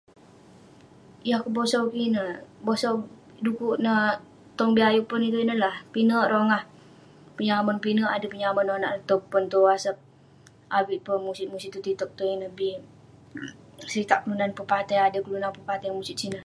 Yah kebosau kik ineh, bosau dekuk neh tong bi ayuk pon ineh lah pinak rongah pinek ader penyamon nonak ireh tong pon tong wasap. Avik peh musit-musit tong tiktok, tong ineh bi. seritak kelunan pepatai- ader kelunan pepatai musit sineh.